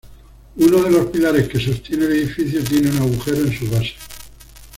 Uno de los pilares que sostiene el edificio tiene un agujero en su base.